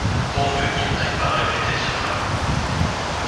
Pourvu qu’il n’aille pas répéter cela.